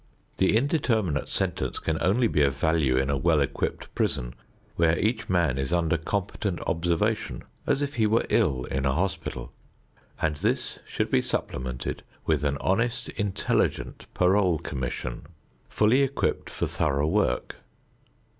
The indeterminate sentence can only be of value in a well equipped prison where each man is under competent observation as if he were ill in a hospital. And this should be supplemented with an honest, intelligent parole commission, fully equipped for thorough work.